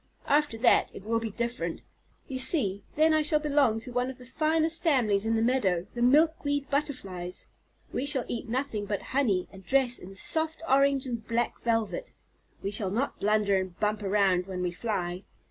After that it will be different. You see, then I shall belong to one of the finest families in the meadow, the Milkweed Butterflies. We shall eat nothing but honey, and dress in soft orange and black velvet. We shall not blunder and bump around when we fly.